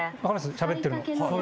しゃべってる。